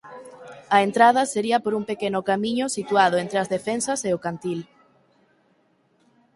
A entrada sería por un pequeno camiño situado entre as defensas e o cantil.